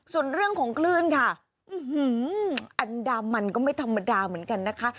ส่วนเรื่องของคลื่นค่ะอันดามันก็ไม่ธรรมดาเหมือนกันนะคะ